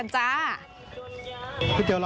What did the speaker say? ใช่